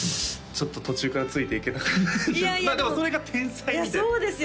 ちょっと途中からついていけなくてでもそれが天才みたいないやそうですよ